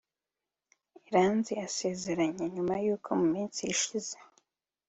Iranzi asezeranye nyuma yuko mu minsi ishize